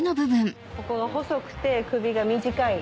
ここが細くて首が短い。